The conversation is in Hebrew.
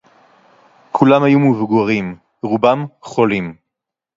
כֻּלָּם הָיוּ מְבֻגָּרִים, רֻבָּם חוֹלִים